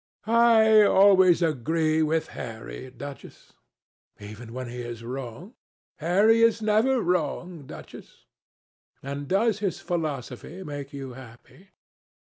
"I always agree with Harry, Duchess." "Even when he is wrong?" "Harry is never wrong, Duchess." "And does his philosophy make you happy?"